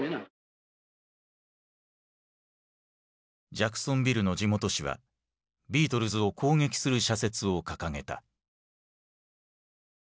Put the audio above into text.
ジャクソンビルの地元紙はビートルズを攻撃する社説を掲げた。